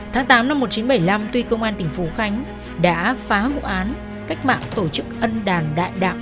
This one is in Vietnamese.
tháng tám năm một nghìn chín trăm bảy mươi năm tuy công an tỉnh phú khánh đã phá vụ án cách mạng tổ chức ân đàn đại đạm